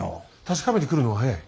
確かめてくるのが早い。